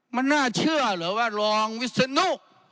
มันน่าเชื่อเหรอว่ารองวิศนุก